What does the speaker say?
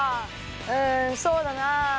うんそうだなあ。